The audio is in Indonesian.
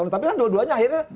tapi kan dua duanya akhirnya